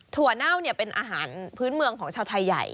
ถั่วเน่าเนี่ยเป็นอาหารพื้นเมืองของชาวไทยใหญ่